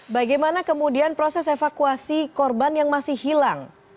bagaimana kemudian proses evakuasi korban yang masih hilang